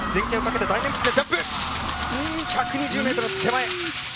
１２０ｍ手前。